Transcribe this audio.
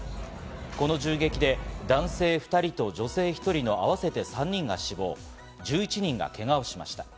この銃撃で男性２人と女性１人の合わせて３人が死亡、１１人がけがをしました。